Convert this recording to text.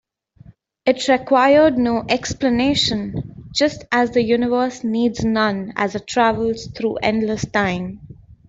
It required no explanation, just as the universe needs none as it travels through endless time.